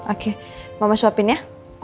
oke mama suapin ya